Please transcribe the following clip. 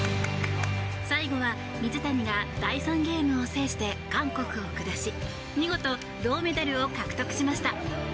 最後は水谷が第３ゲームを制して韓国を下し見事、銅メダルを獲得しました。